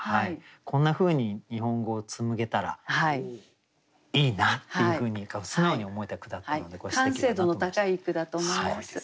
こんなふうに日本語を紡げたらいいなっていうふうに素直に思えた句だったのですてきだなと思いました。